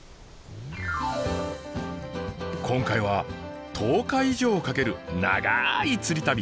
今回は１０日以上をかけるながい釣り旅。